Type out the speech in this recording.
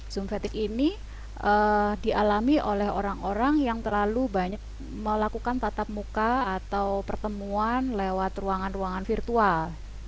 zoom fatigue ini dialami oleh orang orang yang terlalu banyak melakukan tatap muka atau pertemuan lewat ruangan ruangan virtual